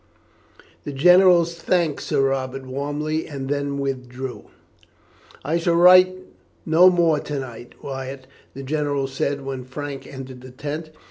The generals thanked Sir Robert warmly, and then withdrew. "I shall write no more to night, Wyatt," the general said when Frank entered the tent.